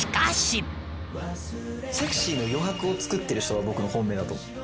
セクシーの余白を作ってる人は僕の本命だと。